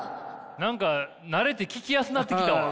何か慣れて聞きやすなってきたわ。